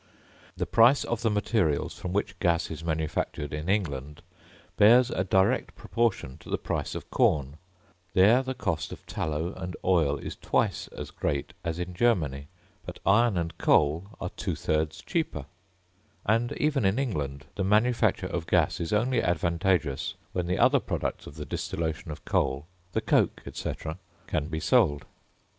The price of the materials from which gas is manufactured in England bears a direct proportion to the price of corn: there the cost of tallow and oil is twice as great as in Germany, but iron and coal are two thirds cheaper; and even in England the manufacture of gas is only advantageous when the other products of the distillation of coal, the coke, &c., can be sold.